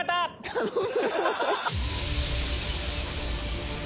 頼む！